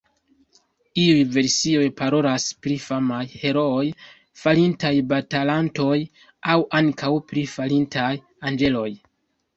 Iuj versioj parolas pri famaj herooj, falintaj batalantoj aŭ ankaŭ pri falintaj anĝeloj.